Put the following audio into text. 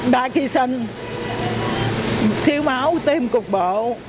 ba khi sinh thiếu máu tiêm cục bộ